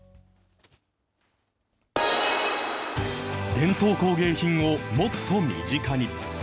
伝統工芸品をもっと身近に。